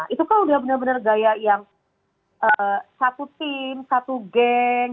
itu kan udah benar benar gaya yang satu tim satu geng